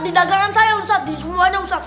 di dagangan saya ustadz di seluruhnya ustadz